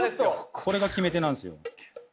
これが決め手なんですよ